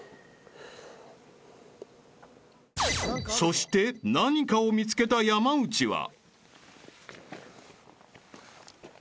［そして何かを見つけた山内は］